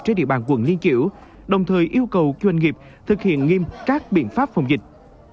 trên địa bàn quận liên kiểu đồng thời yêu cầu doanh nghiệp thực hiện nghiêm các biện pháp phòng dịch